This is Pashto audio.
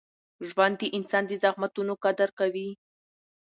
ژوند د انسان د زحمتونو قدر کوي.